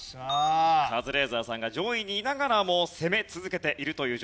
カズレーザーさんが上位にいながらも攻め続けているという状況。